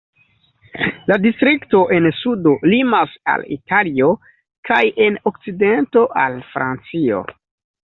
La distrikto en sudo limas al Italio kaj en okcidento al Francio.